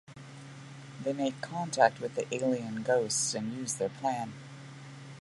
They make contact with the alien "ghosts" and use their plan.